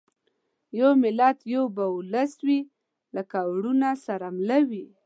یو ملت یو به اولس وي لکه وروڼه سره مله وي